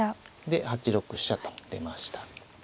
で８六飛車と出ました。